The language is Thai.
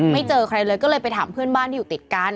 เจอใครเลยก็เลยไปถามเพื่อนบ้านที่อยู่ติดกัน